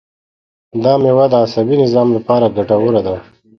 دا مېوه د عصبي نظام لپاره ګټوره ده.